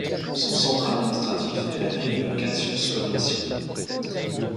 Son centre administratif est la ville de Kastsioukovitchy.